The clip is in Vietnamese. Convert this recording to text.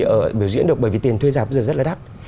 ở biểu diễn được bởi vì tiền thuê giảm bây giờ rất là đắt